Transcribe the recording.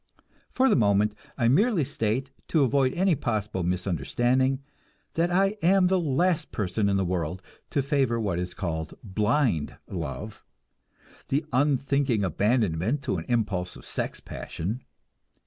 For the moment I merely state, to avoid any possible misunderstanding, that I am the last person in the world to favor what is called "blind" love, the unthinking abandonment to an impulse of sex passion.